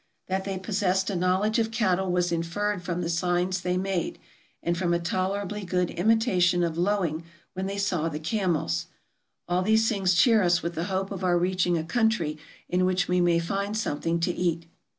That they possessed a knowledge of cattle was inferred from the signs they made, MISCELLANEOUS 429 and from a tolerably good imitation of lowing when they saw the camels. All these things cheer us with the hope of our reaching a country in which we may find something to eat.